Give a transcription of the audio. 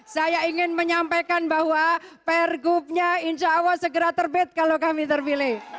saya ingin menyampaikan bahwa pergubnya insya allah segera terbit kalau kami terpilih